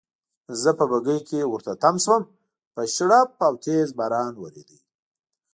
زه په بګۍ کې ورته تم شوم، په شړپ او تېز باران وریده.